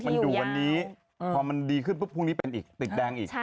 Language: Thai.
มันอยู่วันนี้พอมันดีขึ้นปุ๊บพรุ่งนี้เป็นอีกติดแดงอีก